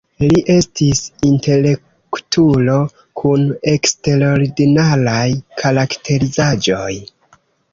Li estis intelektulo kun eksterordinaraj karakterizaĵoj.